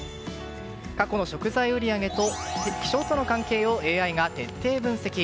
過去の食材売り上げと気象との関係をＡＩが徹底分析。